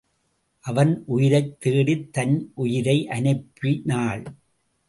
அவன் உயிரைத் தேடித் தன் உயிரை அனுப்பி– னாள்.